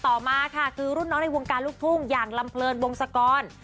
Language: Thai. ต่อมาค่ะคือรุ่นน้องในวงการลูกทุ่งอย่างลำเพลินวงศกร